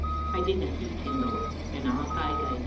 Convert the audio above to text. I didna heed him, though, and off I gaed."